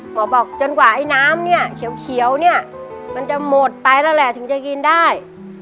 บอกจนกว่าไอ้น้ำเนี่ยเขียวเนี่ยมันจะหมดไปแล้วแหละถึงจะกินได้